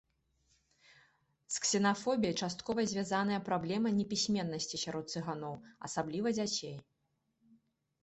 З ксенафобіяй часткова звязаная праблема непісьменнасці сярод цыганоў, асабліва дзяцей.